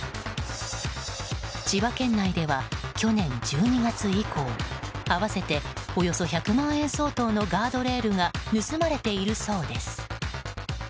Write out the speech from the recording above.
千葉県内では、去年１２月以降合わせておよそ１００万円相当のガードレールが盗まれているそうです。